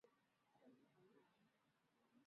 濑长龟次郎我那霸。